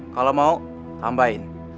kalau mau tambahin